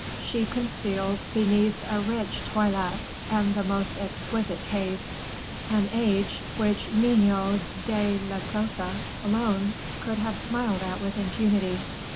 She concealed, beneath a rich toilette and the most exquisite taste, an age which Ninon de l'Enclos alone could have smiled at with impunity.